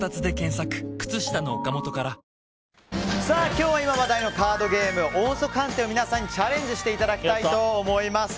今日は今、話題のカードゲーム音速飯店を皆さんにチャレンジしていただきたいと思います。